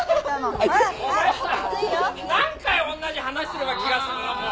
お前さ何回おんなじ話すれば気が済むのもう。